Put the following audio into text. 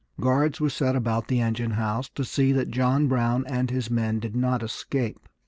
Guards were set about the engine house to see that John Brown and his men did not escape.